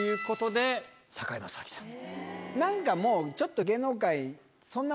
なんかもうちょっと。